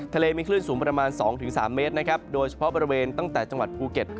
ทะเลมีคลื่นสูงประมาณ๒๓เมตรนะครับโดยเฉพาะบริเวณตั้งแต่จังหวัดภูเก็ต